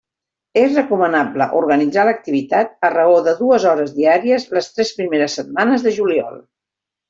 És recomanable organitzar l'activitat a raó de dues hores diàries les tres primeres setmanes de juliol.